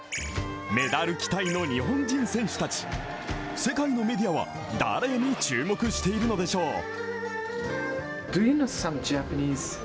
メダル期待の日本人選手たち世界のメディアは誰に注目しているのでしょう。